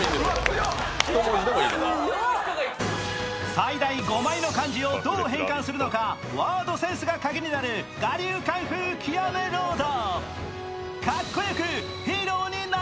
最大５枚の漢字をどう変換するのかワードセンスが鍵になる「我流功夫極めロード」。